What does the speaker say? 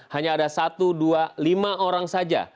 hanya ada satu dua lima orang saja